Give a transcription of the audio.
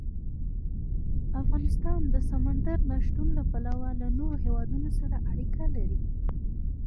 افغانستان د سمندر نه شتون له پلوه له نورو هېوادونو سره اړیکې لري.